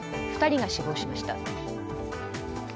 ２人が死亡しました。